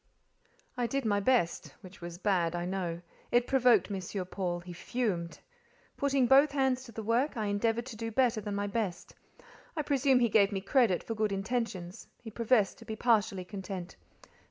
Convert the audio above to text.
I did my best—which was bad, I know: it provoked M. Paul; he fumed. Putting both hands to the work, I endeavoured to do better than my best; I presume he gave me credit for good intentions; he professed to be partially content.